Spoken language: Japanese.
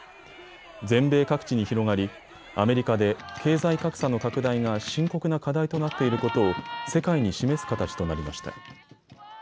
全米各地に広がりアメリカで経済格差の拡大が深刻な課題となっていることを世界に示す形となりました。